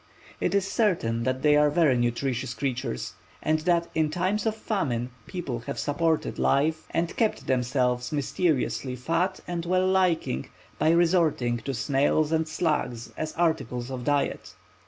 It is certain that they are very nutritious creatures, and that in times of famine people have supported life and kept themselves mysteriously "fat and well liking" by resorting to snails and slugs as articles of diet.